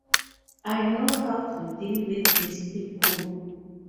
I know how to deal with these people.